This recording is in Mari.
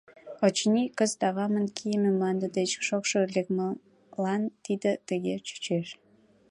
Очыни, кызыт авамын кийыме мланде деч шокшо лекмылан тиде тыге чучеш.